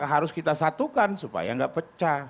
lah harus kita satukan supaya gak pecah